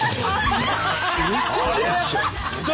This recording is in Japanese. うそでしょ？